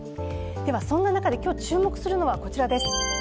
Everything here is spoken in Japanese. ではそんな中で今日注目するのはこちらです。